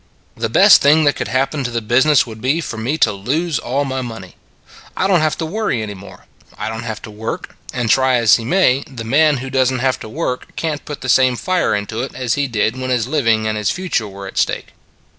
" The best thing that could happen to the business would be for me to lose all my money. I don t have to worry any more; I don t have to work and try as he may, the man who does n t have to work can t put the same fire into it as he did when his living and his future were at stake."